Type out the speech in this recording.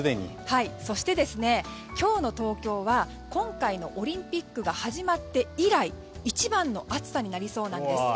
そして、今日の東京は今回のオリンピックが始まって以来一番の暑さになりそうなんです。